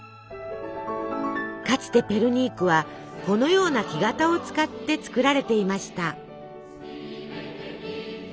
かつてペルニークはこのような木型を使って作られていました。